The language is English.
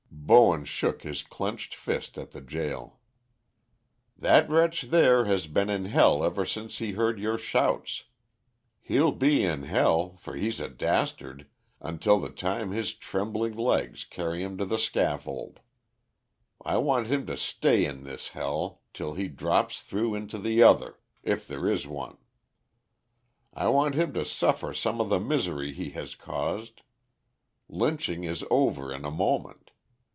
Bowen shook his clenched fist at the gaol. "That wretch there has been in hell ever since he heard your shouts. He'll be in hell, for he's a dastard, until the time his trembling legs carry him to the scaffold. I want him to stay in this hell till he drops through into the other, if there is one. I want him to suffer some of the misery he has caused. Lynching is over in a moment.